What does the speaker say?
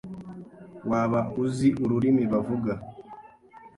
Waba uzi ururimi bavuga?